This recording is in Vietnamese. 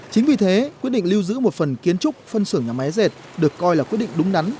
chính vì thế quyết định lưu giữ một phần kiến trúc phân xưởng nhà máy dệt được coi là quyết định đúng đắn